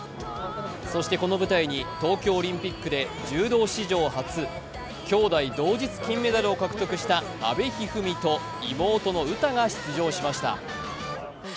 そして、この舞台に東京オリンピックで柔道史上初、きょうだい同日金メダルを獲得した阿部一二三と妹の詩が出場しました。